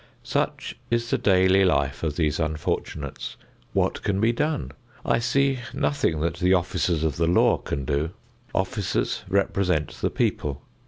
Such is the daily life of these unfortunates. What can be done? I can see nothing that the officers of the law can do. Officers represent the people.